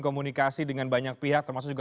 komunikasi dengan banyak pihak termasuk juga